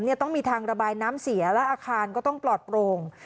ต้องมีทางระบายน้ำเสียและอาคารก็ต้องปลอดโปร่ง